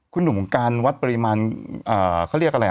คุณหนุ่มการวัดปริมาณเขาเรียกอะไร